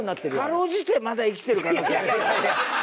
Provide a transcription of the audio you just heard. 辛うじてまだ生きてる可能性。